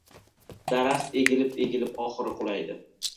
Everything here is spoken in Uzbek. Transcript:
• Daraxt egilib-egilib, oxiri qulaydi.